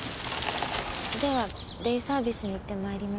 ではデイサービスに行って参ります。